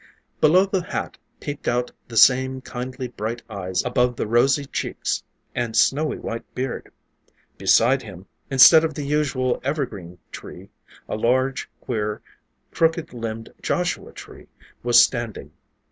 Below the hat peeped out the same kindly, bright eyes above the rosy cheeks and snowy white beard. Beside him, instead of the usual evergreen tree, a large, queer, crooked limbed joshua tree, was standing.